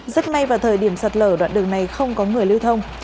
rất may vào thời điểm sạt lở đoạn đường này không có người lưu thông